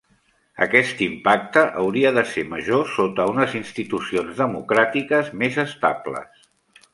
Aquest impacte hauria de ser major sota unes institucions democràtiques més estables.